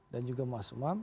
dan juga mas umam